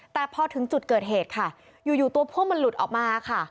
แต่พอถึงจุดเกิดเหตุค่ะอยู่ตัวพ่วงมันหลุดออกมาค่ะ